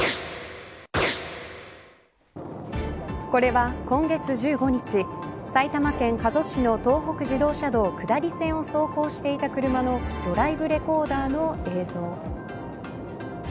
これは今月１５日埼玉県加須市の東北自動車道下り線を走行していた車のドライブレコーダーの映像。